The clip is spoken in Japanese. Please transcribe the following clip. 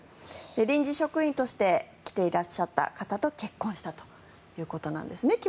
臨時職員として来ていらっしゃった方と木本さんは結婚したということです。